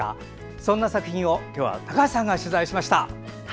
そんな作品を今日は高橋さんが取材しました。